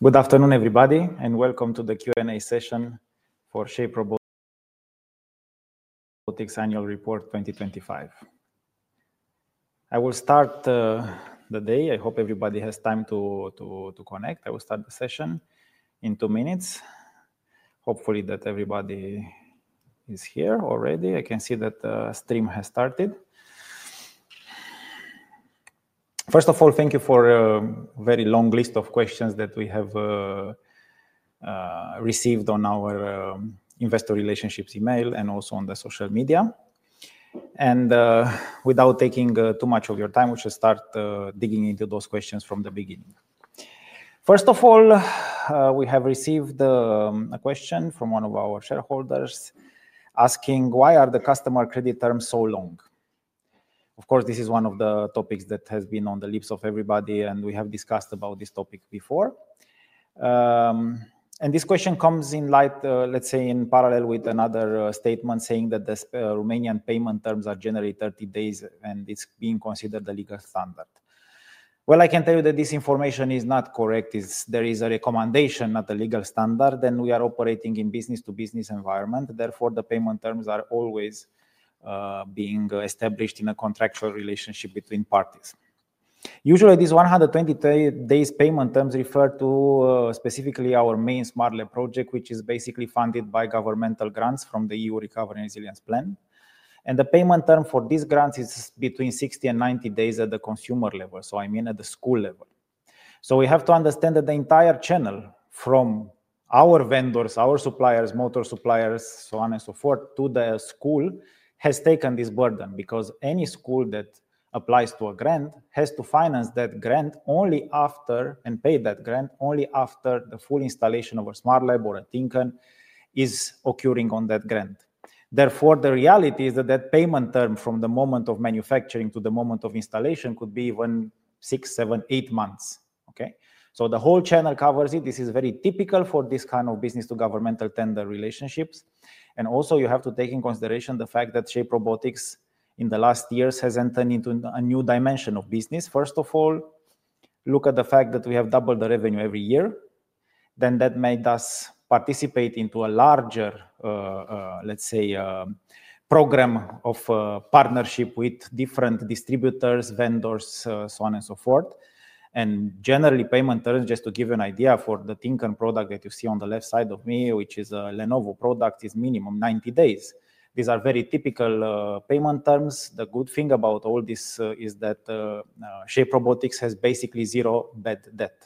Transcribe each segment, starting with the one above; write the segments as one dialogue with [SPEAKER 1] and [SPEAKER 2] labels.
[SPEAKER 1] Good afternoon, everybody, and welcome to the Q&A session for Shape Robotics Annual Report 2025. I will start the day. I hope everybody has time to connect. I will start the session in two minutes. Hopefully, everybody is here already. I can see that the stream has started. First of all, thank you for a very long list of questions that we have received on our investor relationships email and also on the social media. Without taking too much of your time, we should start digging into those questions from the beginning. First of all, we have received a question from one of our shareholders asking, why are the customer credit terms so long? Of course, this is one of the topics that has been on the lips of everybody, and we have discussed this topic before. This question comes in light, let's say, in parallel with another statement saying that the Romanian payment terms are generally 30 days, and it's being considered a legal standard. I can tell you that this information is not correct. There is a recommendation, not a legal standard. We are operating in a business-to-business environment. Therefore, the payment terms are always being established in a contractual relationship between parties. Usually, these 120 days payment terms refer to specifically our main Smart Lab project, which is basically funded by governmental grants from the EU Recovery and Resilience Plan. The payment term for these grants is between 60 and 90 days at the consumer level, so I mean at the school level. We have to understand that the entire channel from our vendors, our suppliers, motor suppliers, so on and so forth, to the school has taken this burden because any school that applies to a grant has to finance that grant only after and pay that grant only after the full installation of a Smart Lab or a Tin Can is occurring on that grant. Therefore, the reality is that that payment term from the moment of manufacturing to the moment of installation could be even six, seven, eight months. The whole channel covers it. This is very typical for this kind of business-to-governmental tender relationships. You have to take into consideration the fact that Shape Robotics in the last years has entered into a new dimension of business. First of all, look at the fact that we have doubled the revenue every year. That made us participate in a larger, let's say, program of partnership with different distributors, vendors, so on and so forth. Generally, payment terms, just to give you an idea for the Tin Can product that you see on the left side of me, which is a Lenovo product, is minimum 90 days. These are very typical payment terms. The good thing about all this is that Shape Robotics has basically zero bad debt.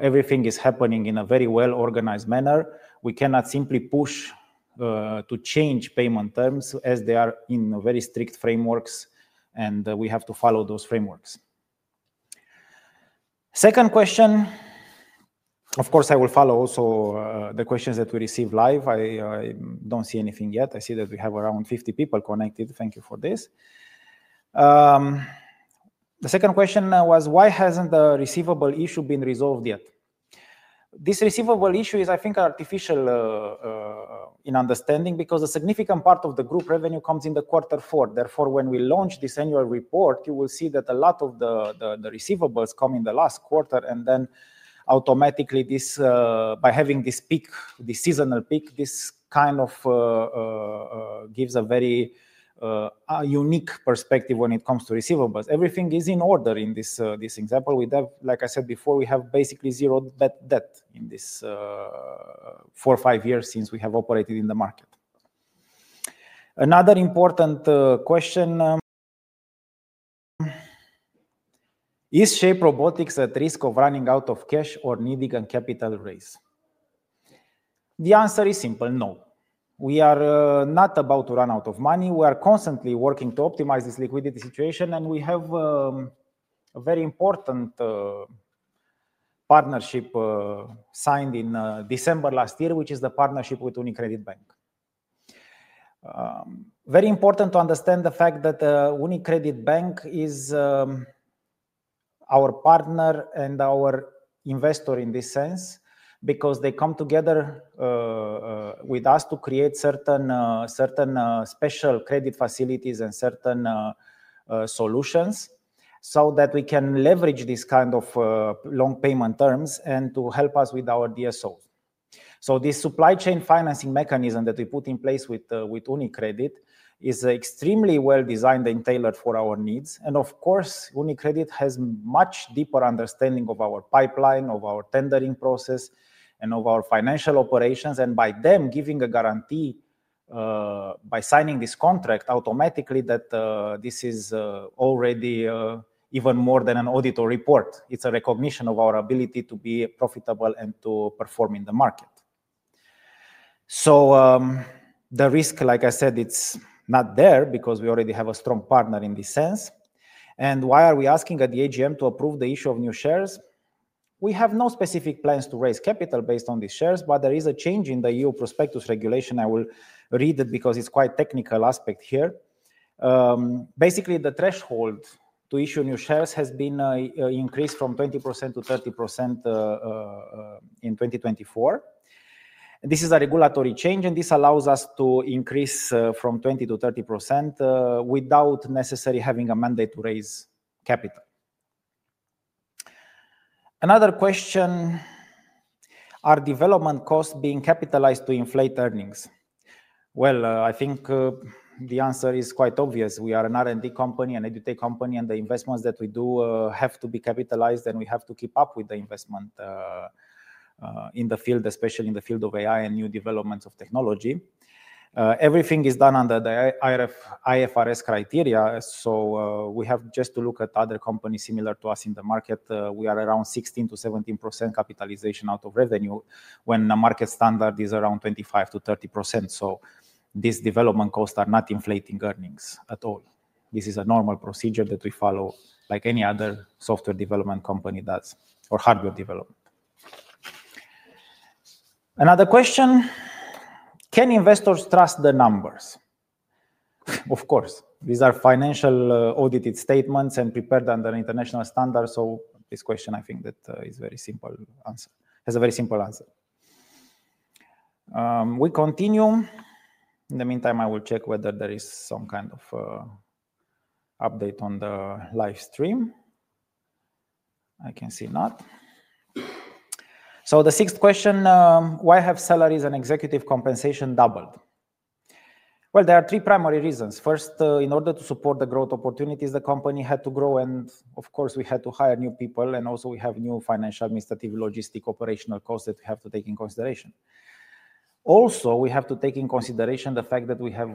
[SPEAKER 1] Everything is happening in a very well-organized manner. We cannot simply push to change payment terms as they are in very strict frameworks, and we have to follow those frameworks. Second question, of course, I will follow also the questions that we receive live. I do not see anything yet. I see that we have around 50 people connected. Thank you for this. The second question was, why hasn't the receivable issue been resolved yet? This receivable issue is, I think, artificial in understanding because a significant part of the group revenue comes in the quarter four. Therefore, when we launch this annual report, you will see that a lot of the receivables come in the last quarter. Automatically, by having this peak, this seasonal peak, this kind of gives a very unique perspective when it comes to receivables. Everything is in order in this example. Like I said before, we have basically zero debt in these four or five years since we have operated in the market. Another important question: Is Shape Robotics at risk of running out of cash or needing a capital raise? The answer is simple, no. We are not about to run out of money. We are constantly working to optimize this liquidity situation. We have a very important partnership signed in December last year, which is the partnership with UniCredit Bank. It is very important to understand the fact that UniCredit Bank is our partner and our investor in this sense because they come together with us to create certain special credit facilities and certain solutions so that we can leverage this kind of long payment terms and to help us with our DSOs. This supply chain financing mechanism that we put in place with UniCredit is extremely well designed and tailored for our needs. Of course, UniCredit has a much deeper understanding of our pipeline, of our tendering process, and of our financial operations. By them giving a guarantee by signing this contract automatically, this is already even more than an auditor report. It is a recognition of our ability to be profitable and to perform in the market. The risk, like I said, is not there because we already have a strong partner in this sense. Why are we asking the AGM to approve the issue of new shares? We have no specific plans to raise capital based on these shares, but there is a change in the EU prospectus regulation. I will read it because it is quite a technical aspect here. Basically, the threshold to issue new shares has been increased from 20% to 30% in 2024. This is a regulatory change, and this allows us to increase from 20% to 30% without necessarily having a mandate to raise capital. Another question: Are development costs being capitalized to inflate earnings? I think the answer is quite obvious. We are an R&D company and an edutech company, and the investments that we do have to be capitalized, and we have to keep up with the investment in the field, especially in the field of AI and new developments of technology. Everything is done under the IFRS criteria. We have just to look at other companies similar to us in the market. We are around 16%-17% capitalization out of revenue when the market standard is around 25%-30%. These development costs are not inflating earnings at all. This is a normal procedure that we follow, like any other software development company does or hardware development. Another question: Can investors trust the numbers? Of course. These are financial audited statements and prepared under international standards. This question, I think, has a very simple answer. We continue. In the meantime, I will check whether there is some kind of update on the live stream. I can see not. The sixth question: Why have salaries and executive compensation doubled? There are three primary reasons. First, in order to support the growth opportunities, the company had to grow. Of course, we had to hire new people. Also, we have new financial, administrative, logistic, operational costs that we have to take into consideration. Also, we have to take into consideration the fact that we have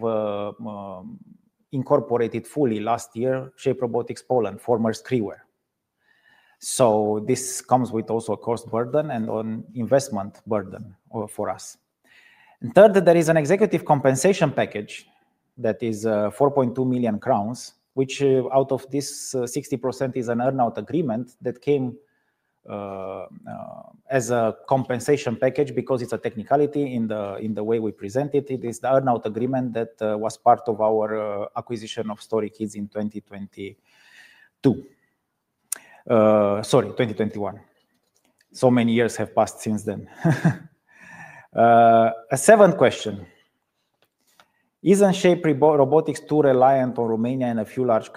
[SPEAKER 1] incorporated fully last year Shape Robotics Poland, former Scriwer. This comes with also a cost burden and an investment burden for us. Third, there is an executive compensation package that is 4.2 million crowns, which out of this 60% is an earn-out agreement that came as a compensation package because it is a technicality in the way we present it. It is the earn-out agreement that was part of our acquisition of StoryKids in 2022. Sorry, 2021. So many years have passed since then. A seventh question: Isn't Shape Robotics too reliant on Romania and a few large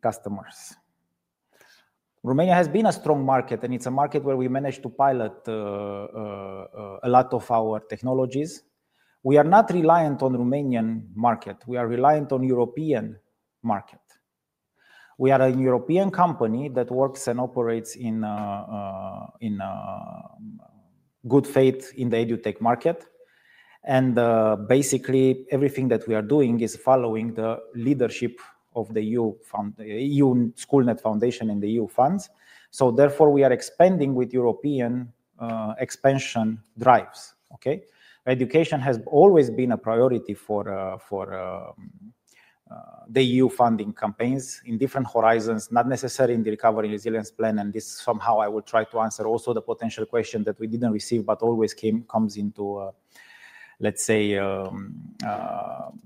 [SPEAKER 1] customers? Romania has been a strong market, and it's a market where we managed to pilot a lot of our technologies. We are not reliant on the Romanian market. We are reliant on the European market. We are a European company that works and operates in good faith in the edutech market. Basically, everything that we are doing is following the leadership of the EU SchoolNet Foundation and the EU funds. Therefore, we are expanding with European expansion drives. Education has always been a priority for the EU funding campaigns in different horizons, not necessarily in the Recovery and Resilience Plan. This somehow I will try to answer also the potential question that we did not receive, but always comes into, let's say,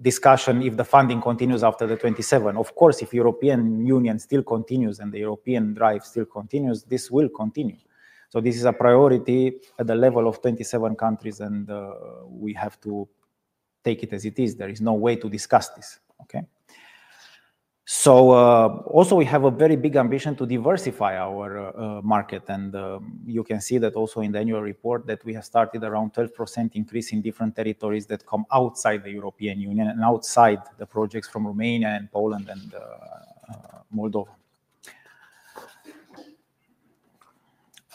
[SPEAKER 1] discussion if the funding continues after 2027. Of course, if the European Union still continues and the European drive still continues, this will continue. This is a priority at the level of 27 countries, and we have to take it as it is. There is no way to discuss this. We have a very big ambition to diversify our market. You can see that also in the annual report that we have started around a 12% increase in different territories that come outside the European Union and outside the projects from Romania and Poland and Moldova.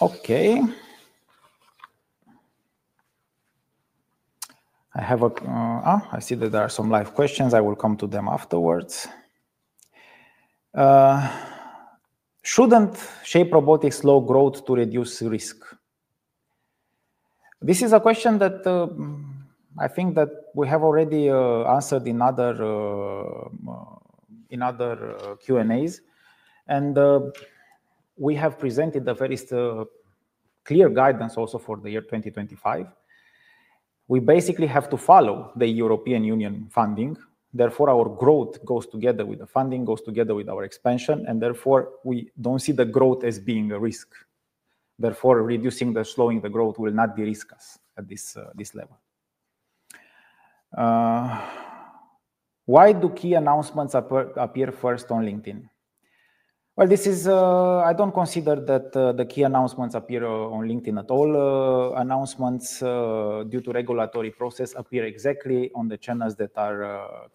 [SPEAKER 1] Okay. I see that there are some live questions. I will come to them afterwards. Shouldn't Shape Robotics low growth to reduce risk? This is a question that I think that we have already answered in other Q&As. We have presented a very clear guidance also for the year 2025. We basically have to follow the European Union funding. Therefore, our growth goes together with the funding, goes together with our expansion. Therefore, we do not see the growth as being a risk. Reducing or slowing the growth will not de-risk us at this level. Why do key announcements appear first on LinkedIn? I do not consider that the key announcements appear on LinkedIn at all. Announcements due to regulatory process appear exactly on the channels that are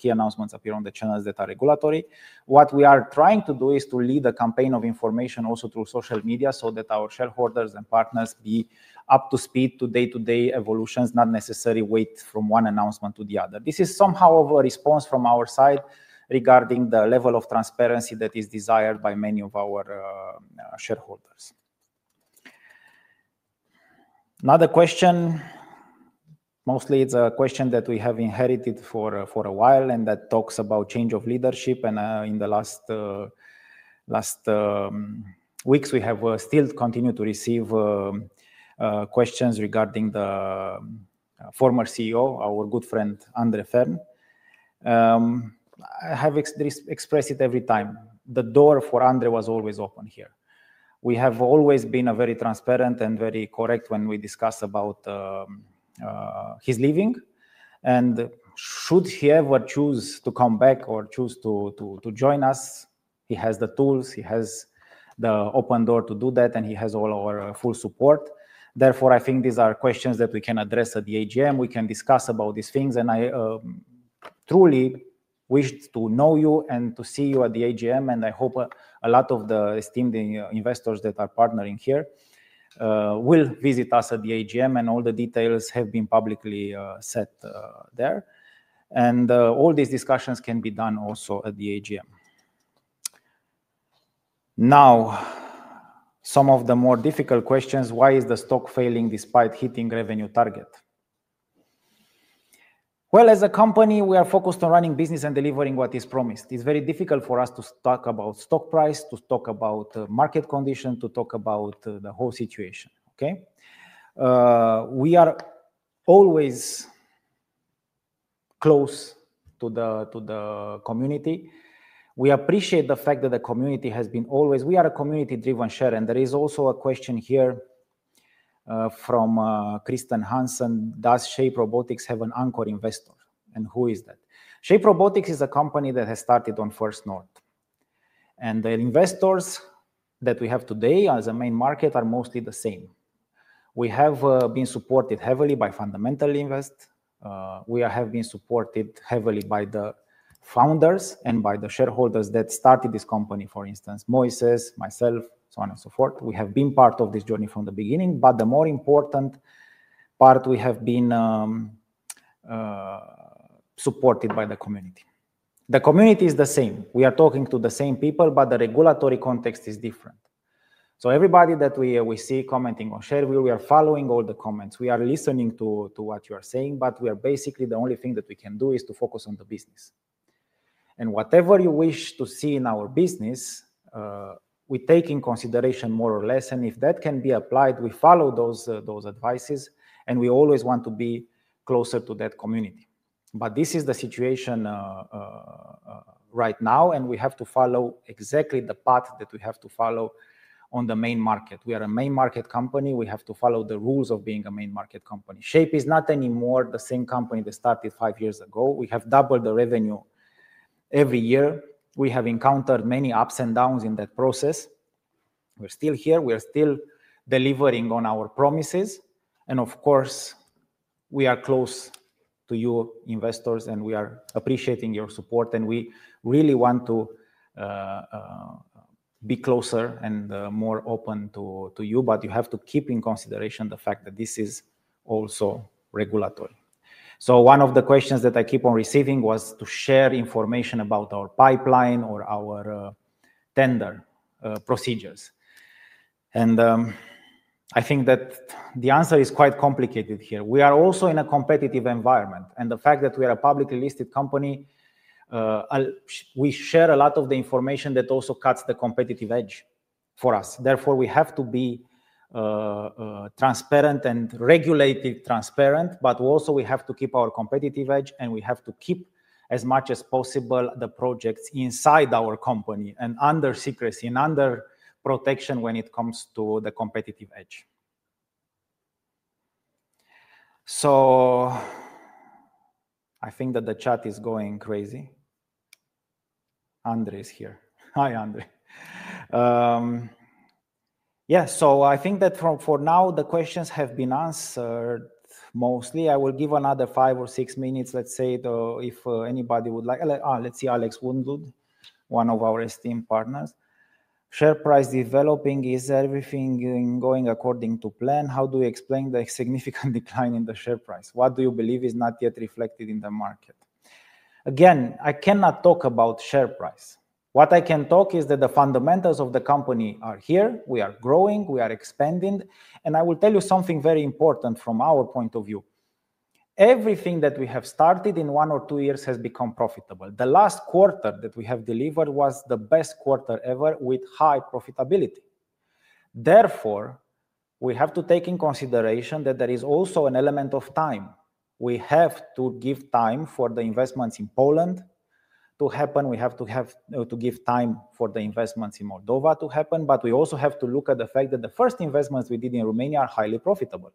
[SPEAKER 1] regulatory. What we are trying to do is to lead a campaign of information also through social media so that our shareholders and partners be up to speed to day-to-day evolutions, not necessarily wait from one announcement to the other. This is somehow of a response from our side regarding the level of transparency that is desired by many of our shareholders. Another question, mostly it's a question that we have inherited for a while and that talks about change of leadership. In the last weeks, we have still continued to receive questions regarding the former CEO, our good friend André Fehrn. I have expressed it every time. The door for André was always open here. We have always been very transparent and very correct when we discuss about his leaving. Should he ever choose to come back or choose to join us, he has the tools. He has the open door to do that, and he has all our full support. Therefore, I think these are questions that we can address at the AGM. We can discuss these things. I truly wish to know you and to see you at the AGM. I hope a lot of the esteemed investors that are partnering here will visit us at the AGM. All the details have been publicly set there. All these discussions can be done also at the AGM. Now, some of the more difficult questions: Why is the stock failing despite hitting revenue target? As a company, we are focused on running business and delivering what is promised. It is very difficult for us to talk about stock price, to talk about market condition, to talk about the whole situation. We are always close to the community. We appreciate the fact that the community has been always—we are a community-driven share. There is also a question here from Kristen Hansen: Does Shape Robotics have an anchor investor? Who is that? Shape Robotics is a company that has started on First North. The investors that we have today as a main market are mostly the same. We have been supported heavily by Fundamental Invest. We have been supported heavily by the founders and by the shareholders that started this company, for instance, Moises, myself, so on and so forth. We have been part of this journey from the beginning. The more important part, we have been supported by the community. The community is the same. We are talking to the same people, but the regulatory context is different. Everybody that we see commenting on ShareWheel, we are following all the comments. We are listening to what you are saying, but basically the only thing that we can do is to focus on the business. Whatever you wish to see in our business, we take in consideration more or less. If that can be applied, we follow those advices. We always want to be closer to that community. This is the situation right now. We have to follow exactly the path that we have to follow on the main market. We are a main market company. We have to follow the rules of being a main market company. Shape is not anymore the same company that started five years ago. We have doubled the revenue every year. We have encountered many ups and downs in that process. We're still here. We are still delivering on our promises. Of course, we are close to you, investors, and we are appreciating your support. We really want to be closer and more open to you. You have to keep in consideration the fact that this is also regulatory. One of the questions that I keep on receiving was to share information about our pipeline or our tender procedures. I think that the answer is quite complicated here. We are also in a competitive environment. The fact that we are a publicly listed company, we share a lot of the information that also cuts the competitive edge for us. Therefore, we have to be transparent and regulated transparent, but also we have to keep our competitive edge. We have to keep as much as possible the projects inside our company and under secrecy and under protection when it comes to the competitive edge. I think that the chat is going crazy. André is here. Hi, André. Yeah. I think that for now, the questions have been answered mostly. I will give another five or six minutes, let's say, if anybody would like. Let's see, Alex Wood, one of our esteemed partners. Share price developing, is everything going according to plan? How do you explain the significant decline in the share price? What do you believe is not yet reflected in the market? Again, I cannot talk about share price. What I can talk is that the fundamentals of the company are here. We are growing. We are expanding. I will tell you something very important from our point of view. Everything that we have started in one or two years has become profitable. The last quarter that we have delivered was the best quarter ever with high profitability. Therefore, we have to take in consideration that there is also an element of time. We have to give time for the investments in Poland to happen. We have to give time for the investments in Moldova to happen. We also have to look at the fact that the first investments we did in Romania are highly profitable.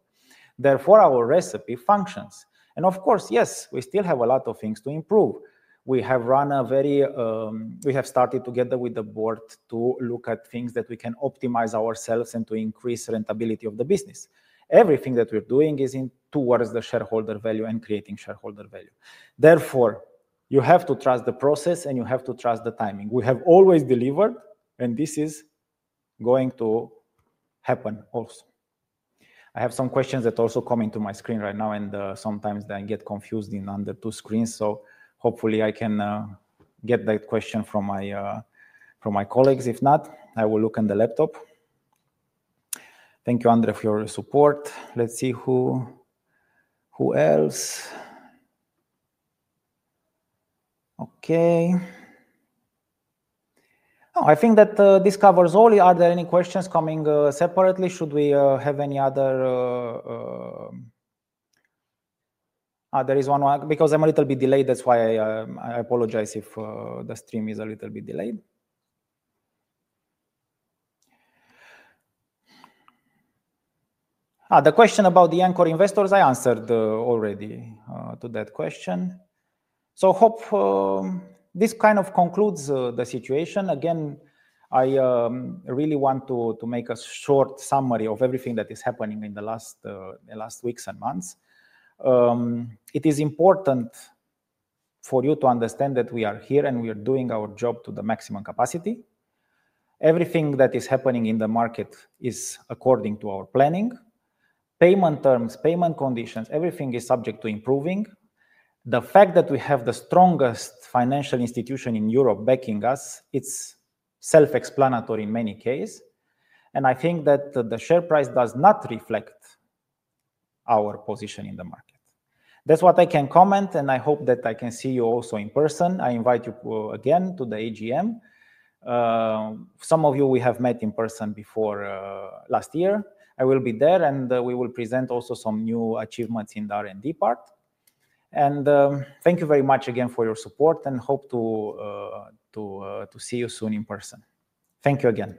[SPEAKER 1] Therefore, our recipe functions. Of course, yes, we still have a lot of things to improve. We have run a very—we have started together with the Board to look at things that we can optimize ourselves and to increase the rentability of the business. Everything that we're doing is towards the shareholder value and creating shareholder value. Therefore, you have to trust the process, and you have to trust the timing. We have always delivered, and this is going to happen also. I have some questions that also come into my screen right now, and sometimes I get confused in under two screens. Hopefully, I can get that question from my colleagues. If not, I will look on the laptop. Thank you, André, for your support. Let's see who else. Okay. I think that this covers all. Are there any questions coming separately? Should we have any other—there is one more because I'm a little bit delayed. That's why I apologize if the stream is a little bit delayed. The question about the anchor investors, I answered already to that question. I hope this kind of concludes the situation. Again, I really want to make a short summary of everything that is happening in the last weeks and months. It is important for you to understand that we are here and we are doing our job to the maximum capacity. Everything that is happening in the market is according to our planning. Payment terms, payment conditions, everything is subject to improving. The fact that we have the strongest financial institution in Europe backing us, it is self-explanatory in many cases. I think that the share price does not reflect our position in the market. That is what I can comment, and I hope that I can see you also in person. I invite you again to the AGM. Some of you we have met in person before last year. I will be there, and we will present also some new achievements in the R&D part. Thank you very much again for your support, and hope to see you soon in person. Thank you again.